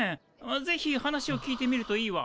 ぜひ話を聞いてみるといいわ。